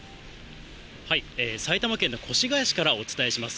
埼玉県の越谷市からお伝えします。